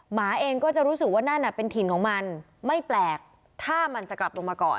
หมาเองก็จะรู้สึกว่านั่นน่ะเป็นถิ่นของมันไม่แปลกถ้ามันจะกลับลงมาก่อน